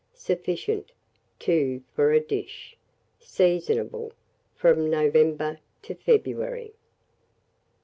Sufficient, 2 for a dish. Seasonable from November to February.